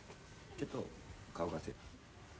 ちょっと顔貸せ。